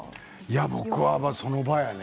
僕はその場だね。